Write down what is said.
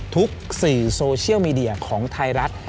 สื่อโซเชียลมีเดียของไทยรัฐ